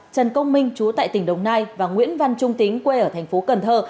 trần công minh chú tại tỉnh đồng nai và nguyễn văn trung tính quê ở thành phố cần thơ